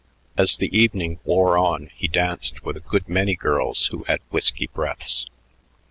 As the evening wore on he danced with a good many girls who had whisky breaths.